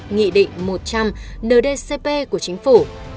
nghị định một trăm linh ndcp của chính phủ